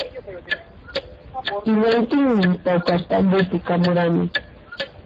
Killantinmi pawkartambopi kamurani